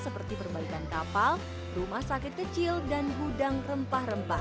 seperti perbaikan kapal rumah sakit kecil dan gudang rempah rempah